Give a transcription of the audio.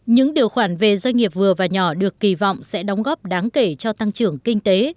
những điều khoản về doanh nghiệp vừa và nhỏ được kỳ vọng sẽ đóng góp đáng kể cho tăng trưởng kinh tế